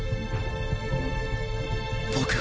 僕は